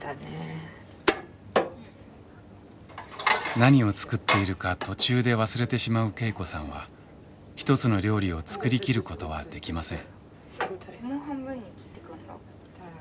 何を作っているか途中で忘れてしまう恵子さんは一つの料理を作り切ることはできません。